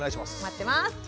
待ってます。